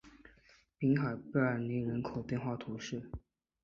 滨海贝尔尼埃人口变化图示